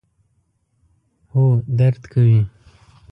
هو، درد کوي